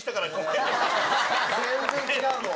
全然違うもん。